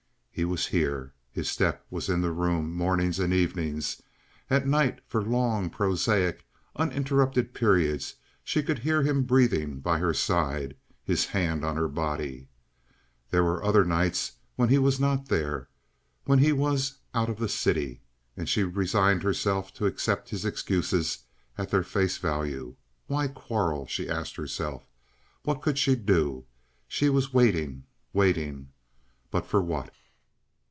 He was here. His step was in the room mornings and evenings; at night for long prosaic, uninterrupted periods she could hear him breathing by her side, his hand on her body. There were other nights when he was not there—when he was "out of the city"—and she resigned herself to accept his excuses at their face value. Why quarrel? she asked herself. What could she do? She was waiting, waiting, but for what?